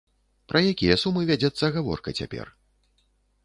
Пра якія сумы вядзецца гаворка цяпер?